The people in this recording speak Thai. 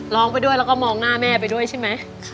ลองไปด้วยเราก็มองหน้าแม่ไปด้วยใช่มั้ย